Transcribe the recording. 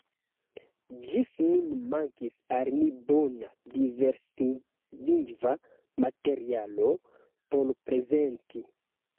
Ĝis nun mankis al ni bona diverslingva materialo por prezenti.